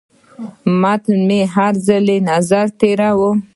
متن مې هر ځل له نظره تېراوه.